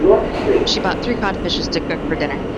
She bought three cod fishes to cook for dinner.